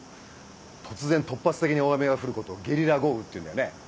突然突発的に大雨が降ることをゲリラ豪雨っていうんだよね。